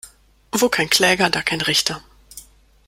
Wo kein Kläger, da kein Richter.